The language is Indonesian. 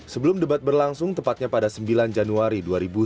sebelum debat berlangsung tepatnya pada sembilan januari dua ribu sembilan belas